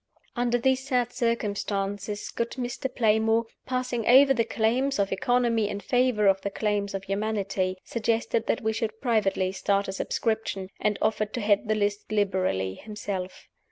Under these sad circumstances, good Mr. Playmore passing over the claims of economy in favor of the claims of humanity suggested that we should privately start a subscription, and offered to head the list liberally himself.